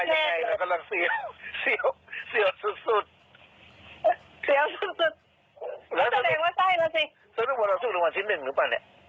ใช่มันใช่มันคุ้นด้วยน่ะ